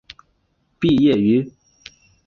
毕业于。